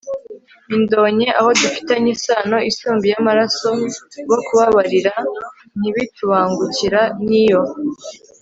indonke. abo dufitanye isano isumba iy'amaraso, bo kubababarira ntibitubangukira. n'iyo